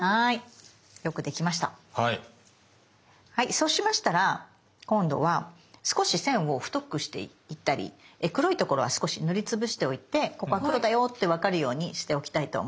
そうしましたら今度は少し線を太くしていったり黒いところは少し塗りつぶしておいてここは黒だよって分かるようにしておきたいと思います。